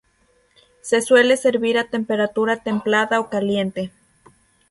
Se suele servir a temperatura templada o caliente.